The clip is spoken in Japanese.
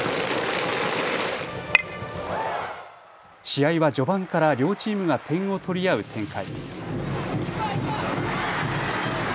試合は序盤から両チームが点を取り合う展開。